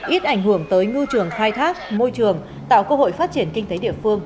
ít ảnh hưởng tới ngư trường khai thác môi trường tạo cơ hội phát triển kinh tế địa phương